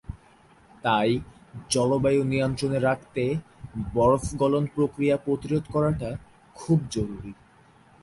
তাই জলবায়ু নিয়ন্ত্রণে রাখতে বরফ গলন প্রক্রিয়া প্রতিরোধ করাটা খুব জরুরী।